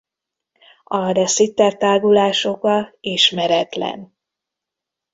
A de Sitter-tágulás oka ismeretlen.